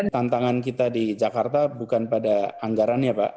tantangan kita di jakarta bukan pada anggaran ya pak